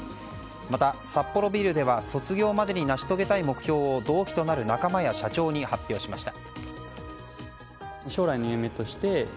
また、サッポロビールでは卒業までに成し遂げたい目標を同期となる仲間や社長に発表しました。